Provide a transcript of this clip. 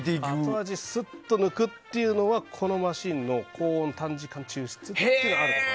後味すっと抜くというのはこのマシンの高温短時間抽出というのがある。